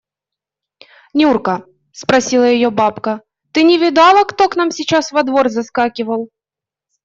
– Нюрка, – спросила ее бабка, – ты не видала, кто к нам сейчас во двор заскакивал?